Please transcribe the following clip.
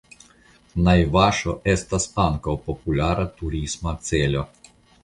Najvaŝo estas ankaŭ populara turisma celo.